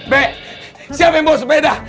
bek siapa yang bawa sepeda